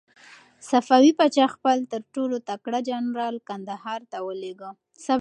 صفوي پاچا خپل تر ټولو تکړه جنرال کندهار ته ولېږه.